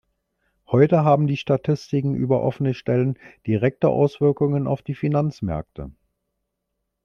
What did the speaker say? Heute haben die Statistiken über offene Stellen direkte Auswirkungen auf die Finanzmärkte.